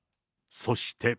そして。